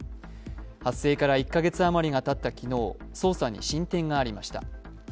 発生から１か月あまりがたった昨日捜査に進展がありました。